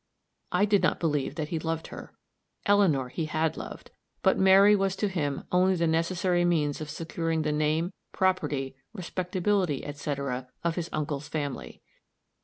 I did not believe that he loved her. Eleanor he had loved; but Mary was to him only the necessary means of securing the name, property, respectability, etc., of his uncle's family.